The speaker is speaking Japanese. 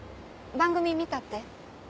番組見たって？